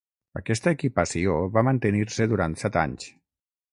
Aquesta equipació va mantenir-se durant set anys.